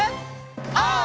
オー！